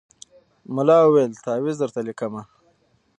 ملا وویل تعویذ درته لیکمه